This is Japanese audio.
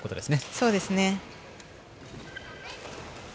そうですね。